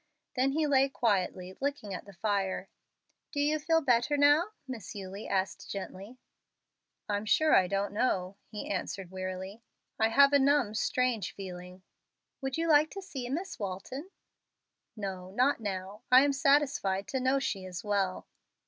Then he lay quietly looking at the fire. "Do you feel better now?" Miss Eulie asked, gently. "I'm sure I don't know," he answered, wearily. "I have a numb, strange feeling." "Would you like to see Miss Walton?" "No, not now; I am satisfied to know she is well."